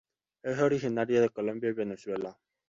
Es originaria de Colombia y Venezuela.